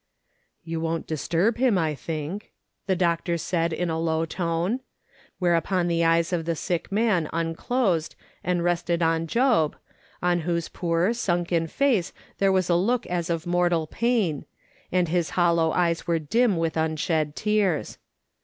"You won't disturb him, I think," the doctor said in a low tone ; whereupon the eyes of the sick man unclosed and rested on Job, on whose poor, sunken face there was a look as of mortal pain, and his hollow eyes were dim with unshed tears.